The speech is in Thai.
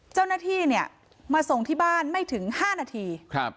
เจ้าหน้าที่เนี่ยมาส่งที่บ้านไม่ถึง๕นาที